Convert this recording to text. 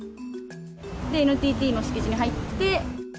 で、ＮＴＴの敷地に入って。